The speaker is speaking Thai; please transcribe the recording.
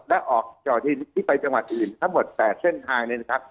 และออกจอที่ไปจังหวัดอื่นทั้งหมด๘เส้นทาง